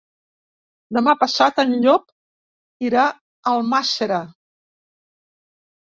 Demà passat en Llop irà a Almàssera.